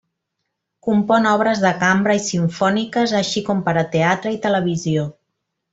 Compon obres de cambra i simfòniques així com per a teatre i televisió.